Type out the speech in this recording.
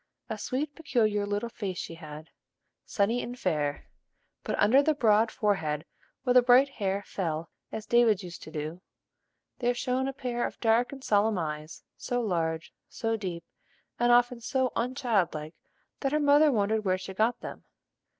A sweet, peculiar, little face she had, sunny and fair; but, under the broad forehead where the bright hair fell as David's used to do, there shone a pair of dark and solemn eyes, so large, so deep, and often so unchildlike, that her mother wondered where she got them.